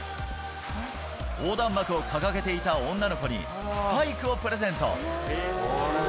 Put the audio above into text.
横断幕を掲げていた女の子にスパイクをプレゼント。